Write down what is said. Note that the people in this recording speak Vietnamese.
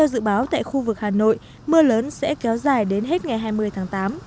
dự báo tại khu vực hà nội mưa lớn sẽ kéo dài đến hết ngày hai mươi tháng tám